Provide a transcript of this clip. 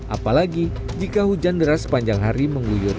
apalagi jika hujan deras sepanjang hari mengguyur